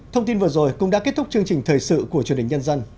thông tin vừa rồi cũng đã kết thúc chương trình thời sự của truyền hình nhân dân